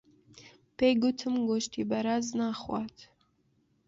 پێی گوتم گۆشتی بەراز ناخوات.